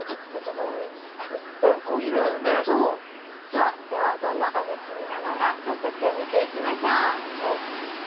さあではどんなおむすびなのか早速見ていきましょう。